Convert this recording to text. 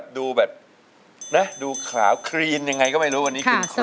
ดูแบบนะดูขาวครีนยังไงก็ไม่รู้วันนี้